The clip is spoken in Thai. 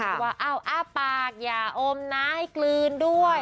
พูดว่าอ้าปากอย่าโอ้มนะให้กลืนด้วย